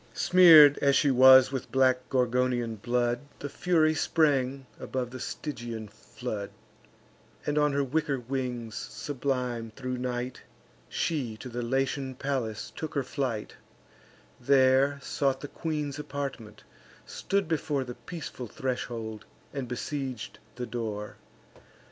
Smear'd as she was with black Gorgonian blood, The Fury sprang above the Stygian flood; And on her wicker wings, sublime thro' night, She to the Latian palace took her flight: There sought the queen's apartment, stood before The peaceful threshold, and besieg'd the door.